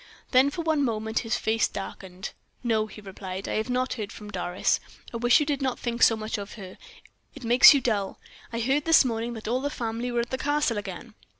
Then for one moment his face darkened. "No," he replied, "I have not heard from Doris. I wish you did not think so much of her; it makes you dull. I heard this morning that all the family were at the Castle again."